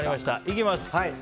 いきます。